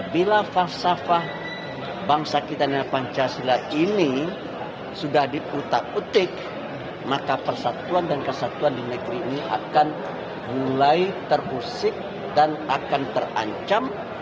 bila falsafah bangsa kita dan pancasila ini sudah diutak utik maka persatuan dan kesatuan di negeri ini akan mulai terusik dan akan terancam